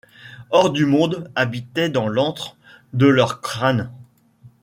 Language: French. Hors du monde, habitaient dans l’antre de leurs crânes ;